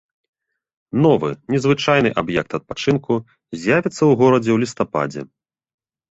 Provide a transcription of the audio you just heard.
Новы незвычайны аб'ект адпачынку з'явіцца ў горадзе ў лістападзе.